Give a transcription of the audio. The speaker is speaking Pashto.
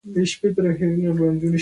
شمس الدوله استازی لېږلی وو.